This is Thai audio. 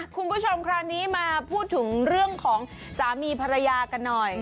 คุณผู้ชมคราวนี้มาพูดถึงเรื่องของสามีภรรยากันหน่อย